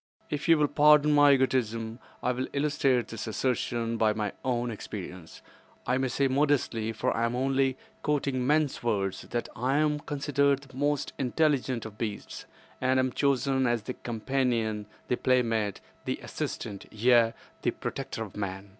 If you will pardon my egotism, I will illustrate this assertion by my own experience. I may say modestly—for I am only quoting men's words—that I am considered the most intelligent of beasts, and am chosen as the companion, the playmate, the assistant, yea, the protector of man.